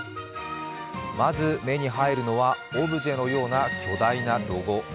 まず目に入るのは、オブジェのような巨大なロゴ。